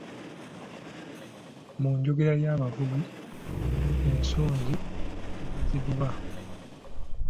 Mu njogera y’abavubi ensonzi tebazivuba.